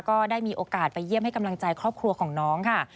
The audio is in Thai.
ก็ได้มีโอกาสไปเยี่ยมให้กำลังใจครอบครัวของน้องค่ะ